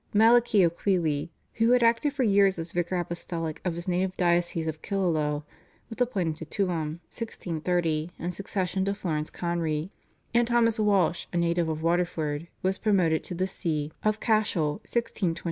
Malachy O'Queely, who had acted for years as vicar apostolic of his native diocese of Killaloe, was appointed to Tuam (1630) in succession to Florence Conry, and Thomas Walsh, a native of Waterford, was promoted to the See of Cashel (1626).